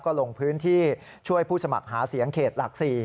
ก็ลงพื้นที่ช่วยผู้สมัครหาเสียงเขตหลัก๔